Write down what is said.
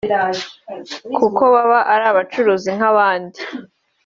kuko baba ari abacuruzi nk’abandi